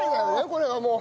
これがもう。